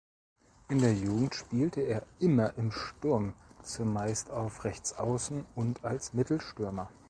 In der Jugend spielte er immer im Sturm, zumeist auf Rechtsaußen und als Mittelstürmer.